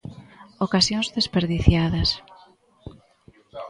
Ocasións desperdiciadas.